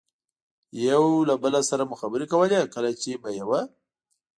یو له بل سره مو خبرې کولې، کله چې به یوه.